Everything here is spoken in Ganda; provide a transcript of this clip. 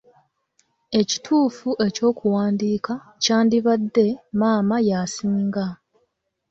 Ekituufu eky'okuwandiika kyandibadde maama y'asinga.